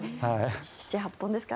７８本ですか。